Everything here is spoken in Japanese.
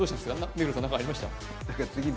目黒さん何かありました？